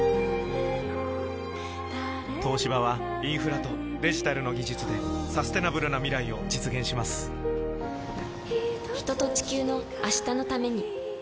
東芝はインフラとデジタルの技術でサステナブルな未来を実現します人と、地球の、明日のために。